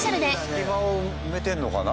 隙間を埋めてるのかな？